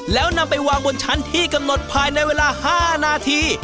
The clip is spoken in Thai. แล้วนำไปวางบนชั้นที่กำหนดภายในเวลา๕นาที